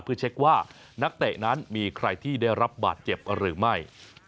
เพื่อเช็คว่านักเตะนั้นมีใครที่ได้รับบาดเจ็บหรือไม่